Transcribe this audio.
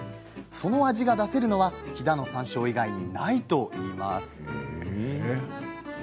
その味が出せるのは飛騨の山椒以外にないといいます。